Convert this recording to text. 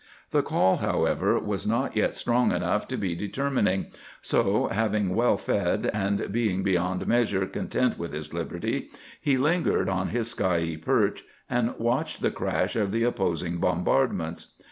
The call, however, was not yet strong enough to be determining, so, having well fed and being beyond measure content with his liberty, he lingered on his skyey perch and watched the crash of the opposing bombardments.